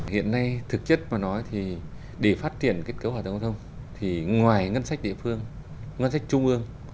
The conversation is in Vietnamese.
hiện nay thực chất mà nói thì để phát triển kết cấu hạ tầng giao thông thì ngoài ngân sách địa phương ngân sách trung ương